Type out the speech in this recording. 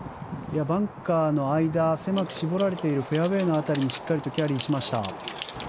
バンカーの間狭く絞られているフェアウェーの辺りにしっかりとキャリーしました。